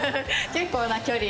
結構な距離。